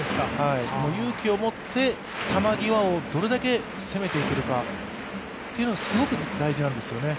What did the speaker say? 勇気を持って球際をどれだけ攻めていけるか、すごく大事なんですよね。